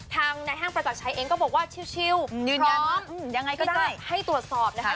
ทางในห้างประจักษ์ชัยเองก็บอกว่าชิลพร้อมที่จะให้ตรวจสอบนะคะ